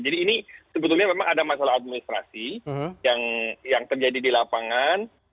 jadi ini sebetulnya memang ada masalah administrasi yang terjadi di lapangan